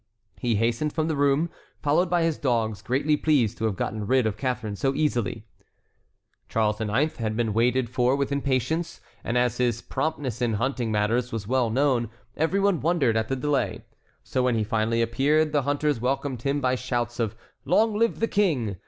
He hastened from the room, followed by his dogs, greatly pleased to have gotten rid of Catharine so easily. Charles IX. had been waited for with impatience, and as his promptness in hunting matters was well known, every one wondered at the delay. So when he finally appeared, the hunters welcomed him by shouts of "Long live the King!"